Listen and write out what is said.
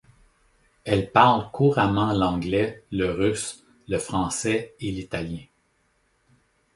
Elle parle couramment l'anglais, le russe, le français et l'italien.